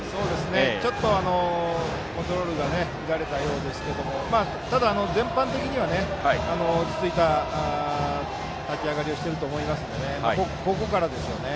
ちょっとコントロールが乱れたようですけどもただ、全般的には落ち着いた立ち上がりをしていると思いますのでここからですよね。